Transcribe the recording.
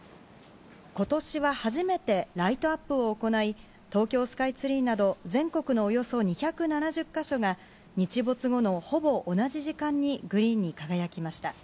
ことしは初めてライトアップを行い、東京スカイツリーなど全国のおよそ２７０か所が、日没後のほぼ同じ時間に、グリーンに輝きました。